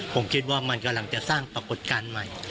ผมคิดว่ามันกำลังจะสร้างปรากฏการณ์ใหม่